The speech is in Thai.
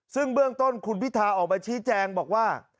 ซึ่งเบื้องต้นคุณพิธาออกมาชี้แจงบอกว่า